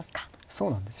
そうなんですよね。